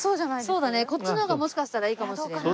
そうだねこっちの方がもしかしたらいいかもしれない。